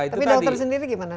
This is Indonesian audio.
tapi dokter sendiri gimana